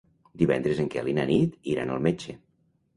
Divendres en Quel i na Nit iran al metge.